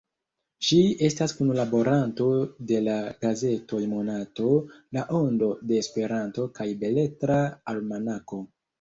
Ŝi estas kunlaboranto de la gazetoj Monato, La Ondo de Esperanto kaj Beletra Almanako.